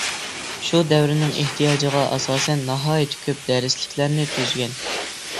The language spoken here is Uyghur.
شۇ دەۋرىنىڭ ئېھتىياجىغا ئاساسەن ناھايىتى كۆپ دەرسلىكلەرنى تۈزگەن.